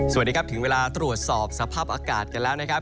สวัสดีครับถึงเวลาตรวจสอบสภาพอากาศกันแล้วนะครับ